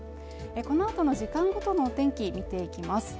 このあとの時間ごとの天気見ていきます